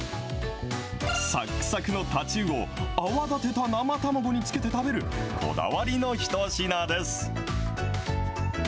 さっくさくの太刀魚を泡立てた生卵につけて食べるこだわりの一品です。